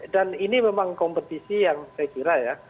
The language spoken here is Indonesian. dan ini memang kompetisi yang saya kira ya